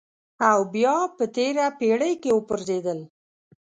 او بیا په تېره پېړۍ کې وپرځېدل.